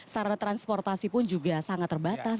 sarana transportasi pun juga sangat terbatas